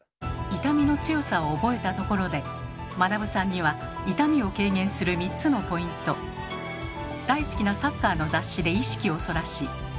痛みの強さを覚えたところでまなぶさんには痛みを軽減する３つのポイント大好きなサッカーの雑誌で意識をそらし。